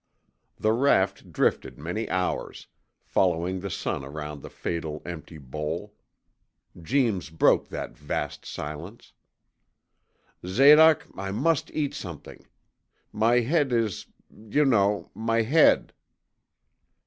The raft drifted many hours, following the sun around the fatal, empty bowl. Jeems broke that vast silence. 'Zadoc, I must eat something. My head is you know my head!'